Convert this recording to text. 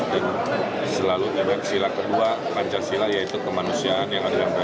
dan selalu terhadap sila kedua panjang sila yaitu kemanusiaan yang ada di antara